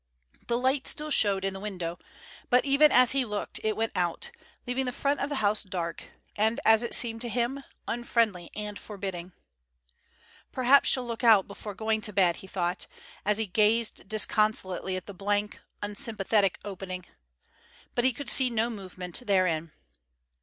The light still showed in the window, but even as he looked it went out, leaving the front of the house dark and, as it seemed to him, unfriendly and forbidding. "Perhaps she'll look out before going to bed," he thought, as he gazed disconsolately at the blank, unsympathetic opening. But he could see no movement therein.